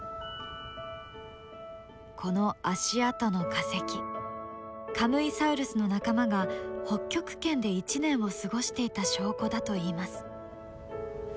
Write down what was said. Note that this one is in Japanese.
この足跡の化石カムイサウルスの仲間が北極圏で一年を過ごしていた証拠だといいます。